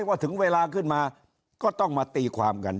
ว่าถึงเวลาขึ้นมาก็ต้องมาตีความกัน